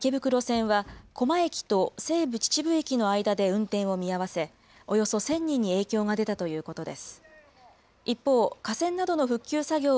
この影響で、池袋線は高麗駅と西武秩父駅との間で運転を見合わせ、およそ１０００人に影響が出たということです。